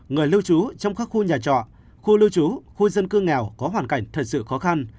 người lưu trú trong các khu nhà trọ khu lưu trú khu dân cư nghèo có hoàn cảnh thật sự khó khăn